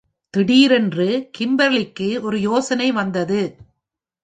திடீரென்று, கிம்பர்லிக்கு ஒரு யோசனை வந்தது.